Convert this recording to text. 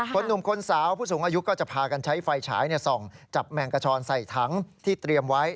หนุ่มคนสาวผู้สูงอายุก็จะพากันใช้ไฟฉายส่องจับแมงกระชอนใส่ถังที่เตรียมไว้